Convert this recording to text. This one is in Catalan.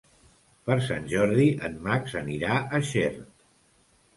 Per Sant Jordi en Max anirà a Xert.